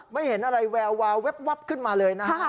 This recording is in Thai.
ไม่เห็นอะไรแวววาวแว๊บขึ้นมาเลยนะฮะ